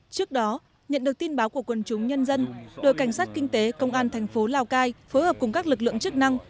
trước đó nhận được tin báo của quân chúng nhân dân đội cảnh sát kinh tế công an thành phố lào cai phối hợp cùng các lực lượng chức năng